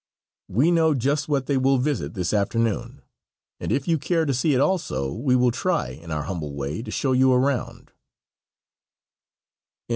We know just what they will visit this afternoon, and if you care to see it also we will try, in our humble way, to show you around.